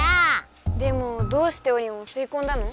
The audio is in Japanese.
でもどうしてオリオンをすいこんだの？